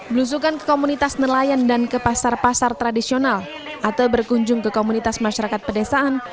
belusukan ke komunitas nelayan dan ke pasar pasar tradisional atau berkunjung ke komunitas masyarakat pedesaan